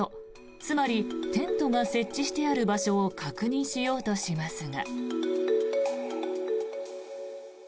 つまりテントが設置してある場所を確認しようとしますが。